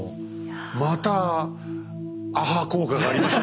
またアハ効果がありました